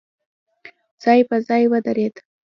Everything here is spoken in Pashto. ځای په ځای ودرېد.